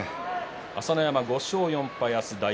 朝乃山５勝４敗です。